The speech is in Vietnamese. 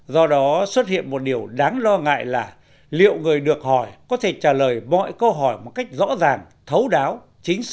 do đó xuất hiện một điều đáng lo ngại là liệu người được hỏi có thể trả lời mọi câu hỏi một cách rõ ràng thấu đáo chính xác